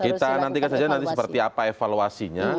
kita nanti akan lihat nanti seperti apa evaluasinya